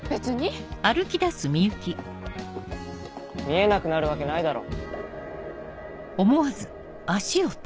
見えなくなるわけないだろ。